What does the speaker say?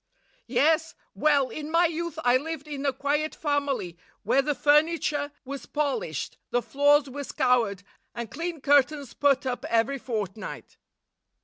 'Yes? Well, in my youth I lived in a quiet family, where the furniture was polished, the floors were scoured, and clean curtains put up every fortnight.